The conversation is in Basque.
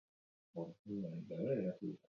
Ikertzaileek ariketa fisikoarekin alderatzen dute.